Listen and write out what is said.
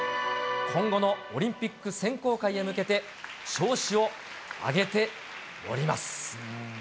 今後のオリンピック選考会へ向けて、調子を上げております。